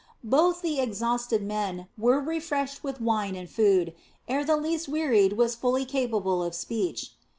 Both the exhausted men were refreshed with wine and food, ere the least wearied was fully capable of speech.